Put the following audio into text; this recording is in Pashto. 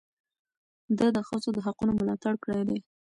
ده د ښځو د حقونو ملاتړ کړی دی.